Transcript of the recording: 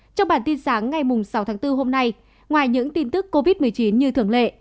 trong bản tin sáng ngày sáu tháng bốn hôm nay ngoài những tin tức covid một mươi chín như thường lệ